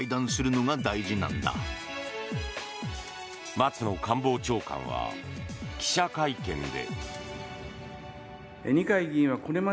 松野官房長官は記者会見で。